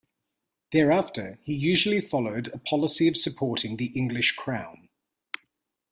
Thereafter he usually followed a policy of supporting the English crown.